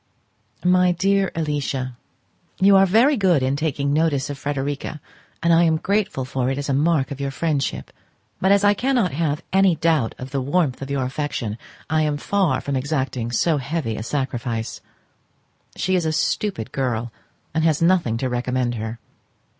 My dear Alicia,—You are very good in taking notice of Frederica, and I am grateful for it as a mark of your friendship; but as I cannot have any doubt of the warmth of your affection, I am far from exacting so heavy a sacrifice. She is a stupid girl, and has nothing to recommend her.